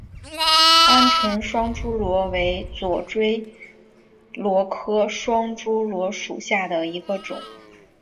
鹌鹑双珠螺为左锥螺科双珠螺属下的一个种。